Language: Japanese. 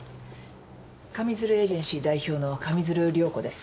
上水流エージェンシー代表の上水流涼子です。